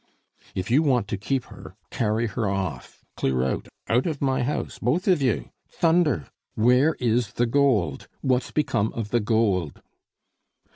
"If you want to keep her, carry her off! Clear out out of my house, both of you! Thunder! where is the gold? what's become of the gold?"